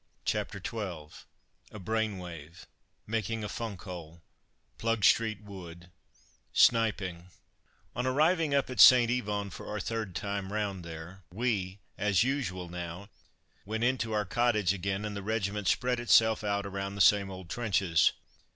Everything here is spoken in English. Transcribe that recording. CHAPTER XII A BRAIN WAVE MAKING A "FUNK HOLE" PLUGSTREET WOOD SNIPING On arriving up at St. Yvon for our third time round there, we as usual now went into our cottage again, and the regiment spread itself out around the same old trenches.